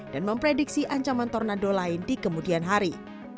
dan memprediksi ancaman tornado lain di kemudian hari